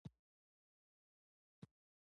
مایان ډېر ماهر معماران وو چې سیمنټ یې اختراع کړل